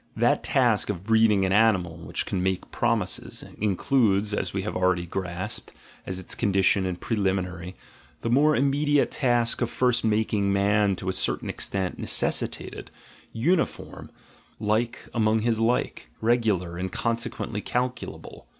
That task of breeding an animal which can make promises, includes, as we have already grasped, as its condition and preliminary, the more immediate task of first making man to a certain extent, necessitated, uniform, like among his like, regular, and consequently calculable.